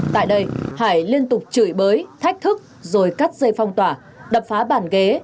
tại đây hải liên tục chửi bới thách thức rồi cắt dây phong tỏa đập phá bàn ghế